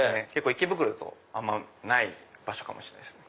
池袋だとあんまない場所かもしれないですね。